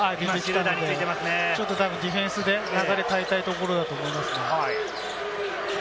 ちょっとディフェンスで流れを変えたいところだと思います。